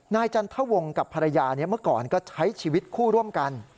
จันทวงกับภรรยาเมื่อก่อนก็ใช้ชีวิตคู่ร่วมกัน